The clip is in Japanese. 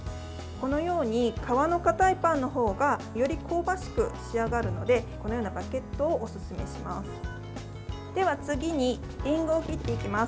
このように皮のかたいパンの方がより香ばしく仕上がるのでこのようなバゲットをおすすめします。